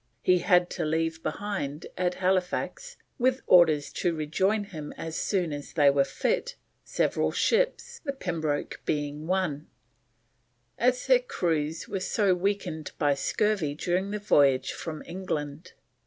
He had to leave behind at Halifax, with orders to rejoin him as soon as they were fit, several ships, the Pembroke being one, as their crews were so weakened by scurvy during the voyage from England.